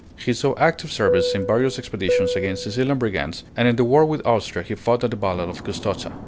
He saw active service in various expeditions against Sicilian brigands; and in the war with Austria he fought at the battle of Custozza.